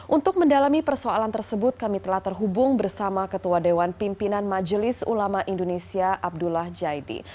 untuk mendalami persoalan tersebut kami telah terhubung bersama ketua dewan pimpinan majelis ulama indonesia abdullah jaidi